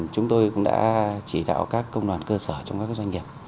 chúng tôi cũng đã chỉ đạo các công đoàn cơ sở trong các doanh nghiệp